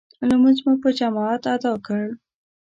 لمونځ مو په جماعت ادا کړ.